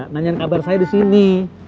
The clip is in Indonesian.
nanyain kabar saya di sini